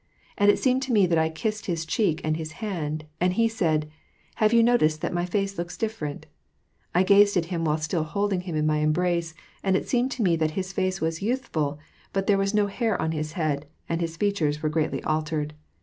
And it seemed to me that I kissed liis cheek and his hand, and he said, —" Have you noticed that my face looks different ?" I gazed at him while still holding him in my embrace, and it seemed to me that his face was youthful, but there was no hair on his head, and his features were greatly altered.